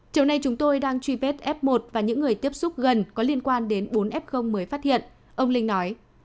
châu nay chúng tôi đang truy vết f một và những người tiếp xúc gần có liên quan đến bốn f mới phát hiện ông linh nói